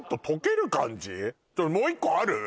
もう１個ある？